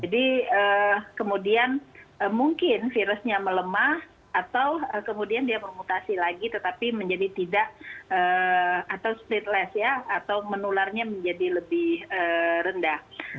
jadi kemudian mungkin virusnya melemah atau kemudian dia memutasi lagi tetapi menjadi tidak atau menularnya menjadi lebih rendah